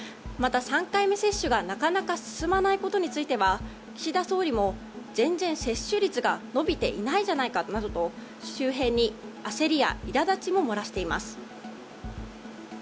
３回目接種がなかなか進まないことに対しても岸田総理も接種率が伸びていないじゃないかなどと周辺に焦りやいら立ちも漏らしています。